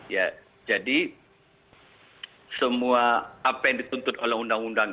ya jadi semua apa yang dituntut oleh undang undang